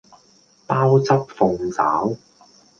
鮑汁鳳爪